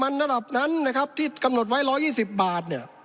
มันระดับนั้นนะครับที่กำหนดไว้๑๒๐บาทเนี่ย